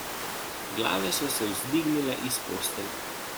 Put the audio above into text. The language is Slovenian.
Glave so se vzdignile iz postelj.